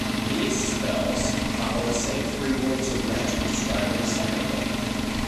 These spells follow the same three rules of magic described in the second book.